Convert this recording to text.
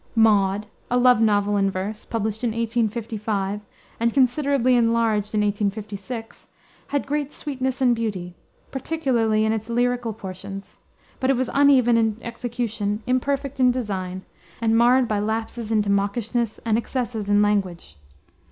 Maud a love novel in verse published in 1855, and considerably enlarged in 1856, had great sweetness and beauty, particularly in its lyrical portions, but it was uneven in execution, imperfect in design, and marred by lapses into mawkishness and excesses in language.